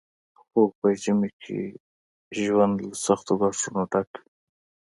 خو په ژمي کې ژوند له سختو ګواښونو ډک وي